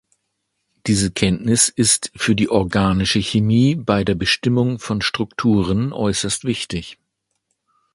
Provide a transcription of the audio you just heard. Diese Kenntnis ist für die organische Chemie bei der Bestimmung von Strukturen äußerst wichtig.